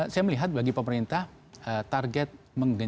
saya melihat bagi pemerintah target menggerakkan